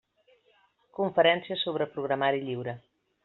Conferències sobre programari lliure.